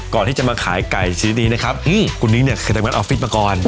ก่อนที่จะมาขายไก่สีดีนะครับคุณนิ้งเนี่ยเคยทำงานออฟฟิศมาก่อน